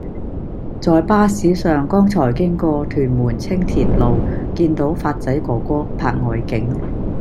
在巴士上剛才經過屯門青田路見到發仔哥哥拍外景